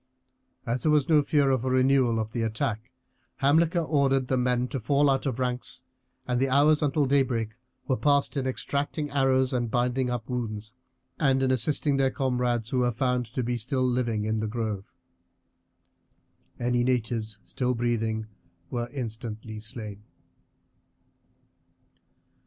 As there was no fear of a renewal of the attack, Hamilcar ordered the men to fall out of ranks, and the hours until daybreak were passed in extracting arrows and binding up wounds, and in assisting their comrades who were found to be still living in the grove. Any natives still breathing were instantly slain.